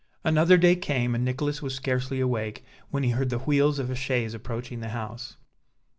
Another day came, and Nicholas was scarcely awake when he heard the wheels of a chaise approaching the house.